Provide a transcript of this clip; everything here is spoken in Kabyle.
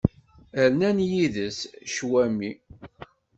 Rnant yid-s cwami.